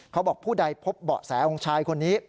เขาบอกผู้ใดพบเบาะแสของชายคนนี้